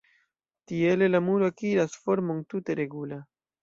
Tiele la muro akiras formon tute regula.